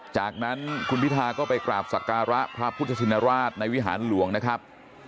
จากนั้นคุณพิธาก็ไปกราบสักการะพระพุทธชินราชในวิหารหลวงนะครับ